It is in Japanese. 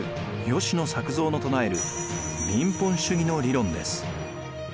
吉野作造の唱える民本主義の理論です。